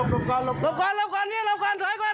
หลบก่อนหลบก่อนหลบก่อนถอยก่อนถอยก่อน